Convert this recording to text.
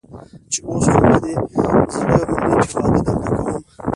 چې اوس خو به دې زړه مني چې واده درته کوم.